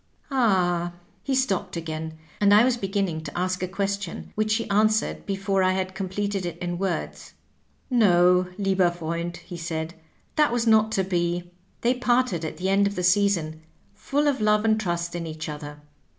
Ahl" He stopped again, and I was beginning to ask a question, which he answered before I had completed it in words. "No, lieber FTernid^^ he said; "that was not to be. They parted at the end of the season, full of love and trust in each other.